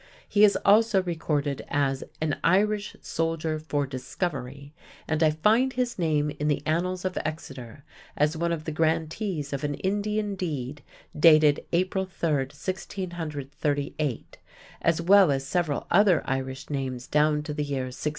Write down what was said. He is also recorded as "an Irish soldier for discovery," and I find his name in the annals of Exeter as one of the grantees of an Indian deed dated April 3, 1638, as well as several other Irish names down to the year 1664.